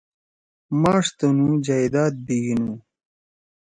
ماݜ تُنوو جائداد بیگیِنُو۔